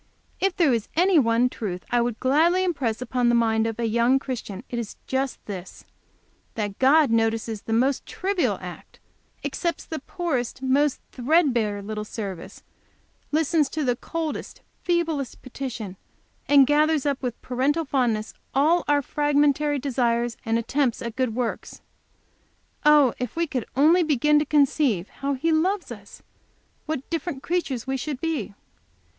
If there is any one truth I would gladly impress on the mind of a you Christian, it is just this, that God notices the most trivial act, accepts the poorest, most threadbare little service, listens to the coldest, feeblest petition, and gathers up with parental fondness all our fragmentary desires and attempts at good works. Oh, if we could only begin to conceive how He loves us, what different creatures we should be!"